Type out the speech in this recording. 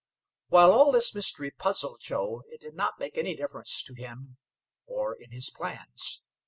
While all this mystery puzzled Joe, it did not make any difference to him or in his plans.